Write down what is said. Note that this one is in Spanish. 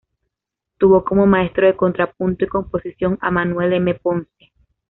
Tuvo como maestro de contrapunto y composición a Manuel M. Ponce.